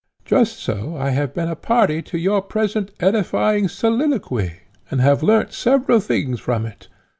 Just so I have been a party to your present edifying soliloquy, and have learnt several things from it.